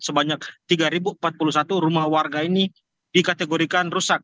sebanyak tiga empat puluh satu rumah warga ini dikategorikan rusak